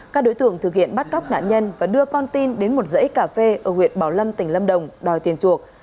các đối tượng thực hiện bắt cóc nạn nhân và đưa con tin đến một dãy cà phê ở huyện bảo lâm tỉnh lâm đồng đòi tiền chuộc